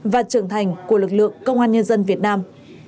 và trưởng thành của lực lượng công an nhân dân việt nam